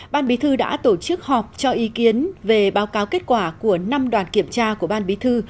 ban bí thư đã tổ chức họp cho ý kiến về báo cáo kết quả của năm đoàn kiểm tra của ban bí thư